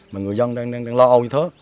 mà người dân đang lo âu như thế